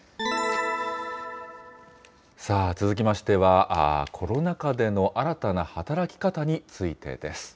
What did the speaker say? さあ、続きましては、コロナ禍での新たな働き方についてです。